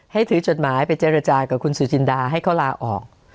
ให้ถือจดหมายไปเจรจากับคุณสุจินดาให้เขาลาออก